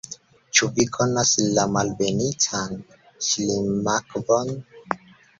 Ĉu vi konas la Malbenitan Ŝlimakvon?